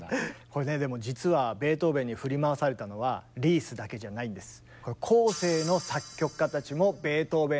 これねでも実はベートーベンに振り回されたのはリースだけじゃないんです。